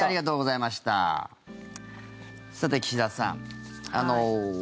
さて、岸田さん